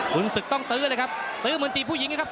คุณศึกต้องตื้อเลยครับตื้อเหมือนจีบผู้หญิงนะครับ